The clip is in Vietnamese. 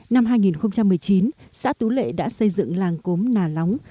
năm hai nghìn một mươi chín xã tú lệ đã xây dựng làng cốm nà lóng